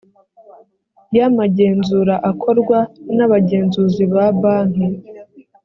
y amagenzura akorwa n abagenzuzi ba banki